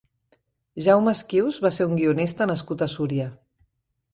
Jaume Esquius va ser un guionista nascut a Súria.